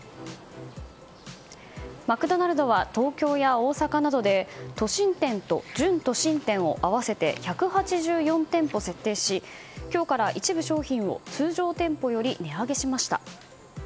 マクドナルドは東京や大阪などで都心店と準都心店を合わせて１８４店舗設定し今日から一部商品を通常店舗より値上げしました。